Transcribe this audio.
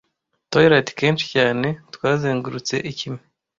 Twilight kenshi cyane twazengurutse ikime,